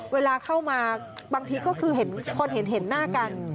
เวลาเข้ามาบางทีก็คือเห็นคนเห็นหน้ากัน